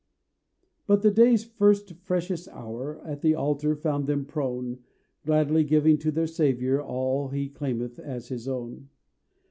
But the day's first, freshest hour At the altar found them prone, Gladly giving to their Savior All He claimeth as His own.